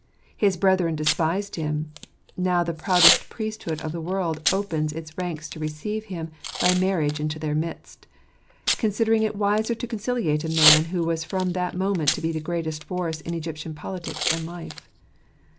His brethren despise^ him ; now the proudest priesthood of the world opens its ranks to receive him by marriage into their midst, con sidering it wiser to conciliate a man who was from that moment to be the greatest force in Egyptian politics and life.